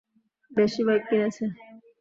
বেশি বাইক কিনেছে।